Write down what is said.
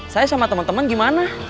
saya sama teman teman gimana